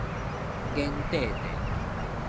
妍塊塊